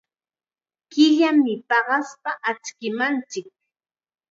Killam paqaspa achkimanchik.